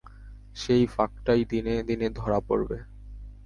সেই ফাঁকটাই দিনে দিনে ধরা পড়বে।